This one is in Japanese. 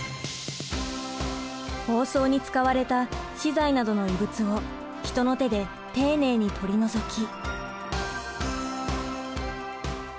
包装に使われた資材などの異物を人の手で丁寧に取り除き。